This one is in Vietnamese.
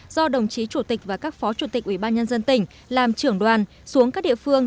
do đồng chí chủ tịch và các phó chủ tịch ủy ban nhân dân tỉnh làm trưởng đoàn xuống các địa phương